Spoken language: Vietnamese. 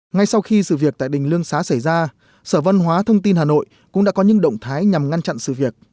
ngay sau khi sự việc tại đình lương xá xảy ra sở văn hóa thông tin hà nội cũng đã có những động thái nhằm ngăn chặn sự việc